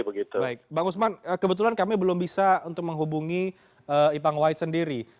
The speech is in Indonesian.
baik bang usman kebetulan kami belum bisa untuk menghubungi ipang wahid sendiri